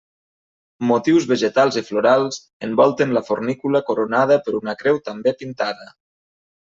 Motius vegetals i florals envolten la fornícula coronada per una creu també pintada.